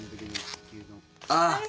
ああ！